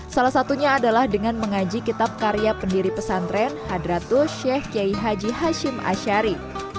salah satunya adalah dengan mengaji kitab karya pendiri pesantren hadratul sheikh kiai haji hashim ashari